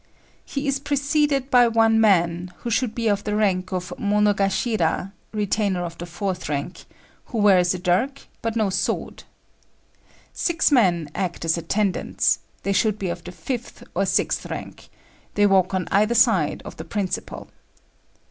He is preceded by one man, who should be of the rank of Mono gashira (retainer of the fourth rank), who wears a dirk, but no sword. Six men act as attendants; they should be of the fifth or sixth rank; they walk on either side of the principal.